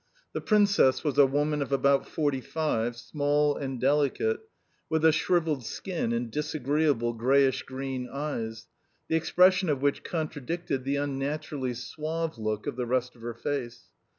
The Princess was a woman of about forty five, small and delicate, with a shrivelled skin and disagreeable, greyish green eyes, the expression of which contradicted the unnaturally suave look of the rest of her face.